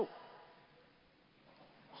โฆษีครับ